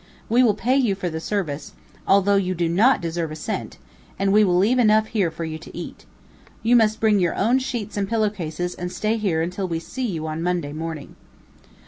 We will pay you for the service, although you do not deserve a cent, and we will leave enough here for you to eat. You must bring your own sheets and pillowcases, and stay here until we see you on Monday morning."